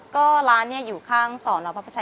ก็ร้านเนี่ยอยู่ข้างสนพช๒